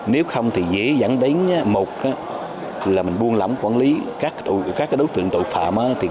nếu không thì dễ dàng đến một là mình buôn lắm quản lý các đối tượng tội phạm